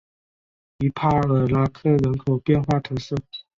于帕尔拉克人口变化图示